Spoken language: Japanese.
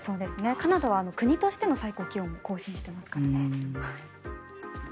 カナダは国としての最高気温を更新してますからね。